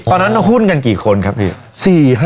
ตอนนั้นหุ้นกันกี่คนครับพี่